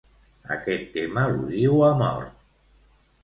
Aquest tema l'odio a mort.